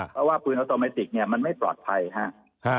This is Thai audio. เพราะว่าปืนออโตเมติกเนี่ยมันไม่ปลอดภัยครับ